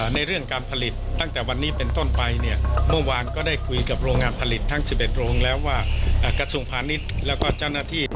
ในเรื่องการผลิตตั้งแต่วันนี้เป็นต้นไปเนี่ยเมื่อวานก็ได้คุยกับโรงงานผลิตทั้ง๑๑โรงแล้วว่ากระทรวงพาณิชย์แล้วก็เจ้าหน้าที่